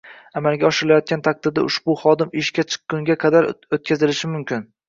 amalga oshirilayotgan taqdirda ushbu xodim ishga chiqquniga qadar o‘tkazilishi mumkin.